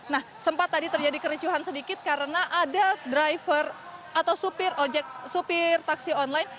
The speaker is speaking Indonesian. nah sempat tadi terjadi kericuhan sedikit karena ada driver atau supir taksi online